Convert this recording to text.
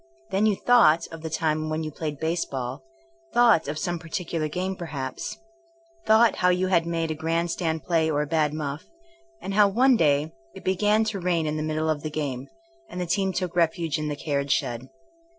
Then you *' thought of the time when you played baseball, thought'* of some particular game perhaps, thought" how you had made a grand stand play or a bad muff, and how one day it began to rain in the middle of the game, and the team took refuge in the carriage shed.